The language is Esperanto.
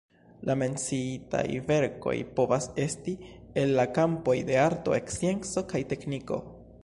La menciitaj verkoj povas esti el la kampoj de arto, scienco kaj tekniko.